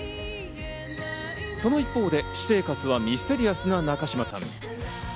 その一方で私生活はミステリアスな中島さん。